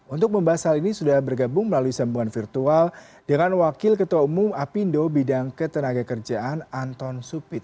untuk membahas hal ini sudah bergabung melalui sambungan virtual dengan wakil ketua umum apindo bidang ketenaga kerjaan anton supit